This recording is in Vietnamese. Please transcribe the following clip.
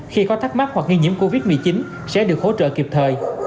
khi có thắc mắc hoặc nghi nhiễm covid một mươi chín sẽ được hỗ trợ kịp thời